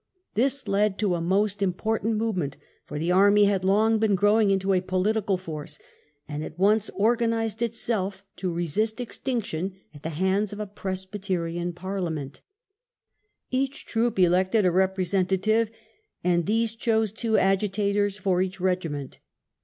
This led to a most important move ment, for the army had long been growing into a political force, and at once organized itself to resist parliament extinction at the hands of a Presbyterian versus Parliament. Each troop elected a represen ^*"™y tative, and these chose two "Agitators" for each regiment.